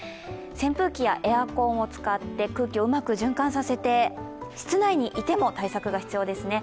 扇風機やエアコンを使って空気をうまく循環させて室内にいても対策が必要ですね。